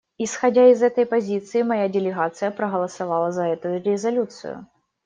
Исходя из этой позиции, моя делегация проголосовала за эту резолюцию.